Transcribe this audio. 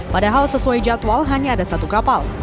padahal sesuai jadwal hanya ada satu kapal